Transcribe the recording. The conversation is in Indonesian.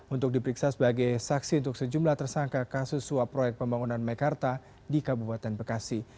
untuk diperiksa sebagai saksi untuk sejumlah tersangka kasus suap proyek pembangunan mekarta di kabupaten bekasi